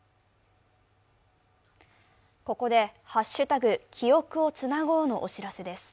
ここで「＃きおくをつなごう」のお知らせです。